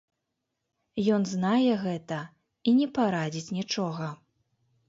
Ён знае гэта і не парадзіць нічога.